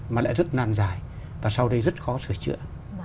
mà lại rất nan dài và sau đây rất khó sửa chữa